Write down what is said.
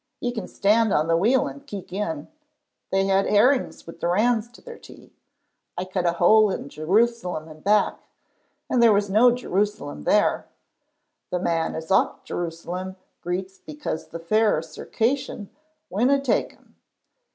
You can stand on the wheel and keek in. They had herrings wi' the rans to their tea. I cut a hole in Jerusalem and Back, and there was no Jerusalem there. The man as ocht Jerusalem greets because the Fair Circassian winna take him.